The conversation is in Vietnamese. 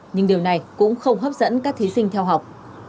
nhưng điều này cũng không hấp dẫn các thí sinh theo học